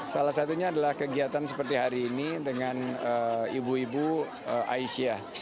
salah satunya adalah kegiatan seperti hari ini dengan ibu ibu aisyah